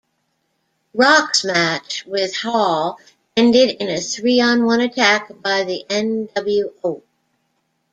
Rock's match with Hall ended in a three-on-one attack by the nWo.